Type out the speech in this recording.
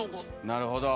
なるほど。